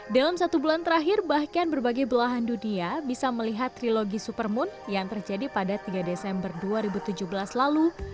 dalam satu bulan terakhir bahkan berbagai belahan dunia bisa melihat trilogi supermoon yang terjadi pada tiga desember dua ribu tujuh belas lalu